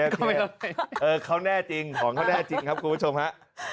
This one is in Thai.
เออของเค้าแน่จริงครับคุณผู้ชมฮะ